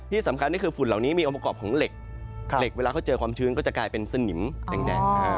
นี่คือฝุ่นเหล่านี้มีองค์ประกอบของเหล็กเหล็กเวลาเขาเจอความชื้นก็จะกลายเป็นสนิมแดง